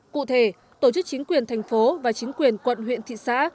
cụ thể tổ chức chính quyền thành phố và chính quyền quận huyện thị xã